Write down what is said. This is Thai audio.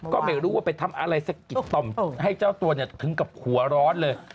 ก็ไม่รู้ว่าไปทำอะไรสะกิดต่อมให้เจ้าตัวถึงกับหัวร้อนเลย